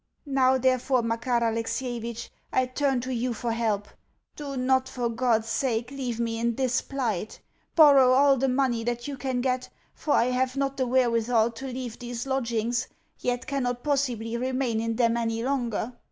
Now, therefore, Makar Alexievitch, I turn to you for help. Do not, for God's sake, leave me in this plight. Borrow all the money that you can get, for I have not the wherewithal to leave these lodgings, yet cannot possibly remain in them any longer.